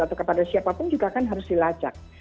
atau kepada siapapun juga kan harus dilacak